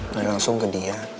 lalu langsung ke dia